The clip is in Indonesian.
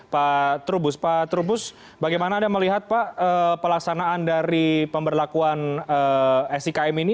pak trubus pak trubus bagaimana anda melihat pak pelaksanaan dari pemberlakuan sikm ini